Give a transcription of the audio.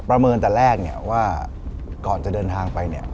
ประเมินแต่แรกว่าก่อนจะเดินทางไป